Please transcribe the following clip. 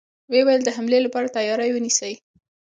و يې ويل: د حملې له پاره تياری ونيسئ!